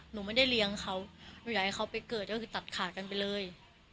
หนูไม่ได้เลี้ยงเขาหนูอยากให้เขาไปเกิดก็คือตัดขาดกันไปเลย